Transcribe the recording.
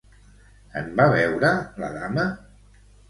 En va beure la dama?